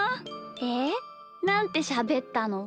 えなんてしゃべったの？